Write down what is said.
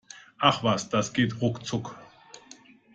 Ach was, das geht ruckzuck!